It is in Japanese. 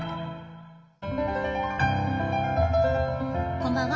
こんばんは。